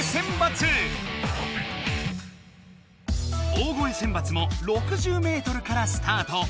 大声選抜も６０ｍからスタート！